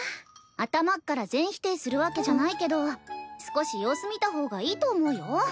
頭っから全否定するわけじゃないけど少し様子見た方がいいと思うよ。